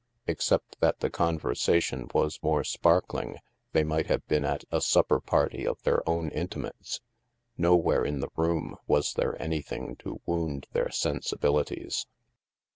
Except that the conversation was more sparkling, they might have been at a supper party of their own intimates. No where in the room was there anything to wound their sensibilities.